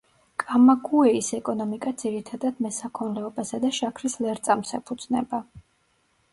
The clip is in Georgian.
კამაგუეის ეკონომიკა ძირითადად მესაქონლეობასა და შაქრის ლერწამს ეფუძნება.